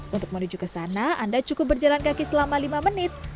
untuk menuju ke sana anda cukup berjalan kaki selama lima menit